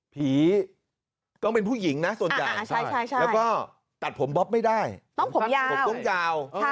ผีต้องเป็นผู้หญิงนะส่วนใหญ่แล้วก็ตัดผมบ๊อบไม่ได้ต้องผมยาวผมต้องยาว